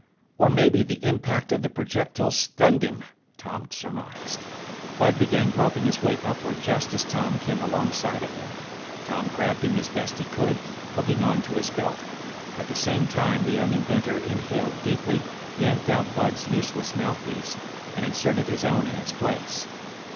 "Or maybe the impact of the projectile stunned him!" Tom surmised. Bud began groping his way upward just as Tom came alongside of him. Tom grabbed him as best he could, hooking onto his belt. At the same time, the young inventor inhaled deeply, yanked out Bud's useless mouthpiece, and inserted his own in its place.